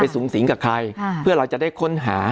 สูงสิงกับใครเพื่อเราจะได้ค้นหา